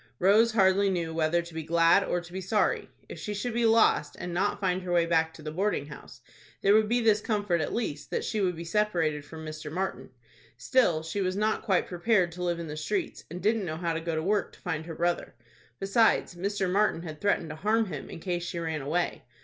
Rose hardly knew whether to be glad or to be sorry. If she should be lost, and not find her way back to the boarding house, there would be this comfort at least, that she would be separated from Mr. Martin. Still she was not quite prepared to live in the streets, and didn't know how to go to work to find her brother. Besides, Mr. Martin had threatened to harm him in case she ran away.